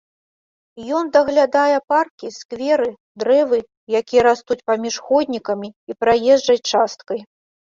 Ён даглядае паркі, скверы, дрэвы, якія растуць паміж ходнікамі і праезджай часткай.